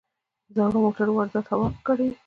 د زړو موټرو واردات هوا ککړوي.